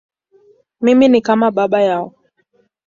Mimi ni kama baba yao.